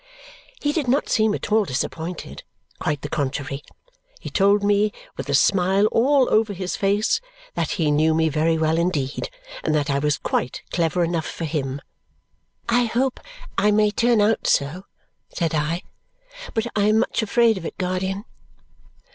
He did not seem at all disappointed; quite the contrary. He told me, with a smile all over his face, that he knew me very well indeed and that I was quite clever enough for him. "I hope I may turn out so," said I, "but I am much afraid of it, guardian."